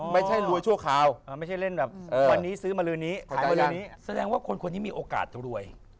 ไม่ใช่รวยชั่วข่าว